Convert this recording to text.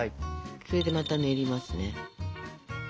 それでまた練りますね。